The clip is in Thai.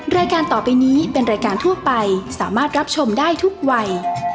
รายการต่อไปนี้เป็นรายการทั่วไปสามารถรับชมได้ทุกวัย